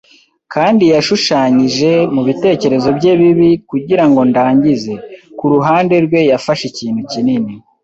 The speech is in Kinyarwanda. kandi yashushanyije, mubitekerezo bye bibi, kugirango ndangize. Ku ruhande rwe, yafashe ikintu kinini